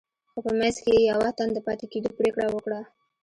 خو په منځ کې يې يوه تن د پاتې کېدو پرېکړه وکړه.